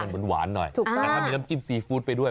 มันหวานหน่อยถ้ามีน้ำจิ้มซีฟู้ดไปด้วย